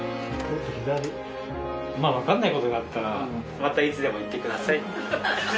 まぁ分かんない事があったらまたいつでも言ってください。